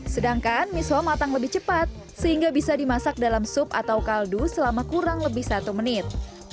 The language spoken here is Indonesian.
sedangkan miso matang lebih cepat sehingga bisa dimasak dalam sup atau kaldu selama kurang lebih satu menit